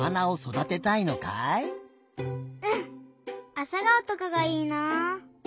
あさがおとかがいいなあ。